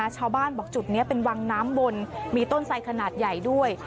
ชาวบ้านบอกจุดนี้เป็นวังน้ำวนมีต้นไสขนาดใหญ่ด้วย